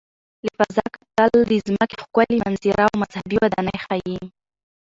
له فضا کتل د ځمکې ښکلي منظره او مذهبي ودانۍ ښيي.